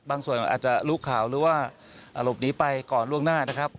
บางส่วนอาจจะลุกข่าวหรือว่าหลบหนีไปก่อนล่วงหน้า